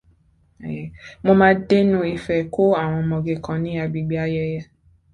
Mo máa dẹnu ìfẹ́ kọ àwọn ọmọge kan ní agbègbè Ayẹ́yẹ́